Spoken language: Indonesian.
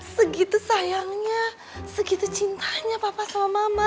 segitu sayangnya segitu cintanya papa sama mama